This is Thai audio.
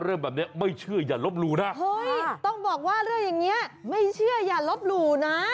ต้องบอกว่าเรื่องอย่างเงี้ยไม่เชื่ออย่าลบหรูนะ